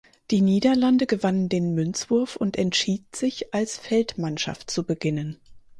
Die Niederlande gewannen den Münzwurf und entschied sich als Feldmannschaft zu beginnen.